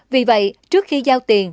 vì vậy trước khi giao tiền